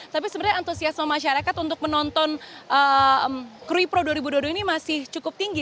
tapi sebenarnya antusiasme masyarakat untuk menonton krui pro dua ribu dua puluh dua ini masih cukup tinggi